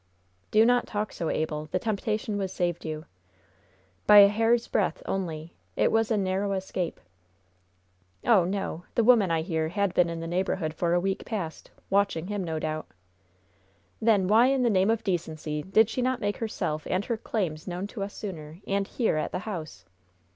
"Do not talk so, Abel. The temptation was saved you." "By a hair's breadth only. It was a narrow escape!" "Oh, no! The woman, I hear, had been in the neighborhood for a week past, watching him, no doubt." "Then, why in the name of decency did she not make herself and her claims known to us sooner, and here, at the house?"